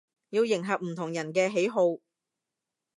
要迎合唔同人嘅喜好